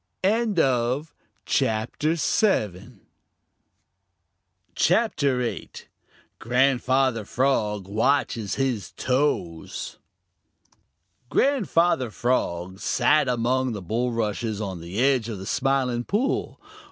CHAPTER VIII: Grandfather Frog Watches His Toes Grandfather Frog sat among the bulrushes on the edge of the Smiling Pool.